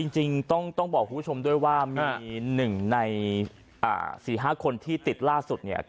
จริงต้องบอกคุณผู้ชมด้วยว่ามี๑ใน๔๕คนที่ติดล่าสุด